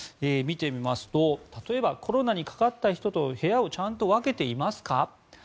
見てみますと例えば「コロナにかかった人と部屋を分けていますか？」